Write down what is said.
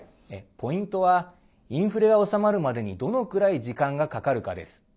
ポイントはインフレが収まるまでにどのくらい時間がかかるかです。